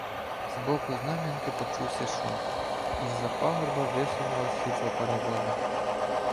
З боку Знам'янки почувся шум, і з-за пагорба висунулося світло паровоза.